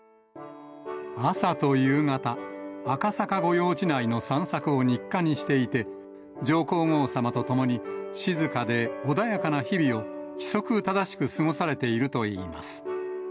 朝と夕方、赤坂御用地内の散策を日課にしていて、上皇后さまと共に、静かで穏やかな日々を規則正しく過ごされているといいます。